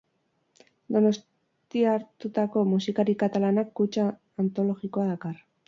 Donostiartutako musikari katalanak kutxa antologikoa dakar.